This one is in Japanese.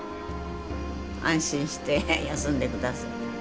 安心して休んで下さい。